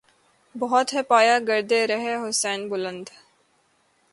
بہت ہے پایۂ گردِ رہِ حسین بلند